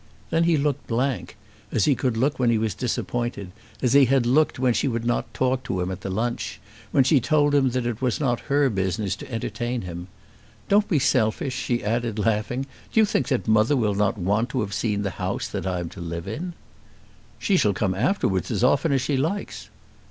Then he looked blank, as he could look when he was disappointed, as he had looked when she would not talk to him at the lunch, when she told him that it was not her business to entertain him. "Don't be selfish," she added, laughing. "Do you think that mother will not want to have seen the house that I am to live in?" "She shall come afterwards as often as she likes."